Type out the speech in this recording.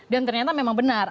dan ternyata memang benar